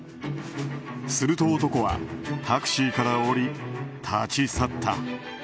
すると男はタクシーから降り立ち去った。